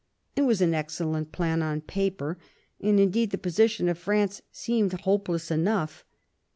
It was an excellent plan on paper ; and, indeed, the position of France seemed hopeless enough.